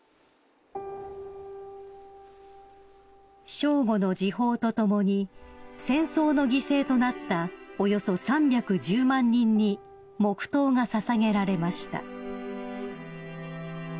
［正午の時報とともに戦争の犠牲となったおよそ３１０万人に黙とうが捧げられました］